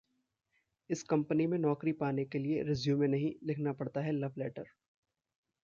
इस कंपनी में नौकरी पाने के लिए रेज्यूमे नहीं, लिखना पड़ता है लव लेटर